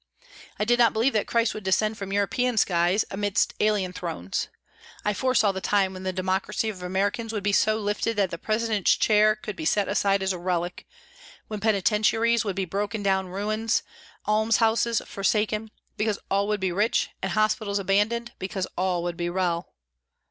I did not believe that Christ would descend from European skies, amidst alien thrones. I foresaw the time when the Democracy of Americans would be lifted so that the President's chair could be set aside as a relic; when penitentiaries would be broken down ruins; almshouses forsaken, because all would be rich, and hospitals abandoned, because all would be well.